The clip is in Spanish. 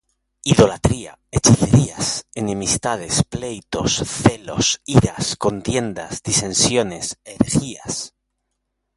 Idolatría, hechicerías, enemistades, pleitos, celos, iras, contiendas, disensiones, herejías,